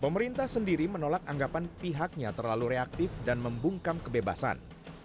pemerintah sendiri menolak anggapan pihaknya terlalu reaktif dan membungkam kebebasan